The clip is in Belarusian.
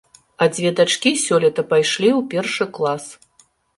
А дзве дачкі сёлета пайшлі ў першы клас.